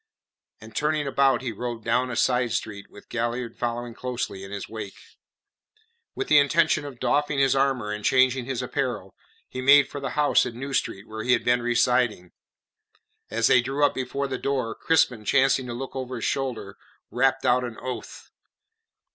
And turning about he rode down a side street with Galliard following closely in his wake. With the intention of doffing his armour and changing his apparel, he made for the house in New Street where he had been residing. As they drew up before the door, Crispin, chancing to look over his shoulder, rapped out an oath.